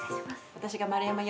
私が丸山よ。